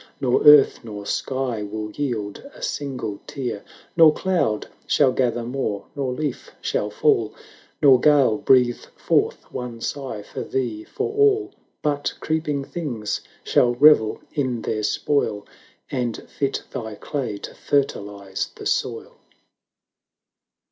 Nor earth nor sky will yield a single tear; Nor cloud shall gather more, nor leaf shall fall, 660 Nor gale breathe forth one sigh for thee, for all; But creeping things shall revel in their spoil, And fit thy clay to fertilise the soil.